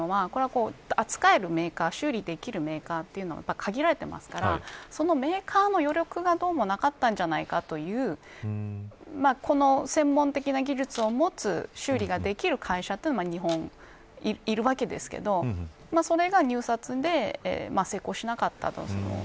水車というのは扱えるメーカーや修理できるメーカーが限られていますからそのメーカーの余力がどうもなかったのではないかという専門的な技術を持っていて修理できる会社は日本にもいるわけですがそれが入札で成功しなかったという。